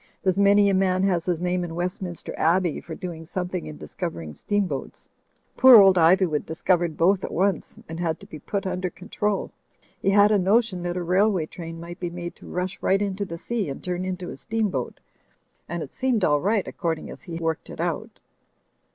There's many a man has his name in West minster Abbey for doing something in discovering steamboats. Poor old Ivywood discovered both at vox POPULI VOX DEI 93 once; and had to be put under control. He had a notion that a railway train might be made to rush right into the sea and turn into a steamboat; and it seemed all right, according as he worked it out.